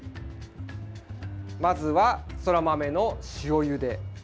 まずは、そら豆の塩ゆで。